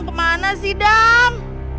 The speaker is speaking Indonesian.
kemana sih dam